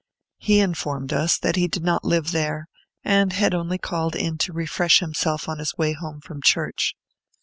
He informed us that he did not live there, and had only called in to refresh himself on his way home from church.